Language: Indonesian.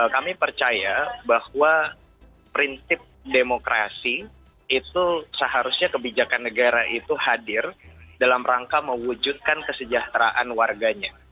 kami percaya bahwa prinsip demokrasi itu seharusnya kebijakan negara itu hadir dalam rangka mewujudkan kesejahteraan warganya